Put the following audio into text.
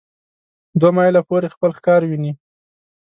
دوه مایله پورې خپل ښکار ویني.